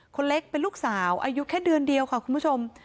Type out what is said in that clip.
คนเล็กเป็นลูกสาวอายุแค่เดือนเดียวค่ะคุณผู้ชม